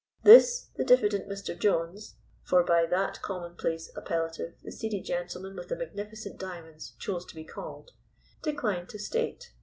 This the diffident Mr. Jones, for by that common place appellative the seedy gentleman with the magnificent diamonds chose to be called; declined to state.